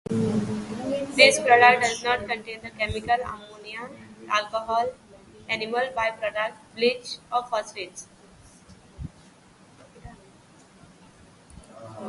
This product does not contain the chemical ammonia, alcohol, animal byproducts, bleach, or phosphates.